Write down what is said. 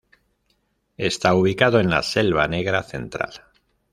Está ubicado en la Selva Negra Central.